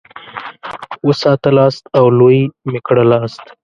وساتلاست او لوی مي کړلاست.